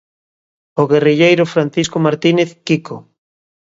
O guerrilleiro Francisco Martínez, 'Quico'.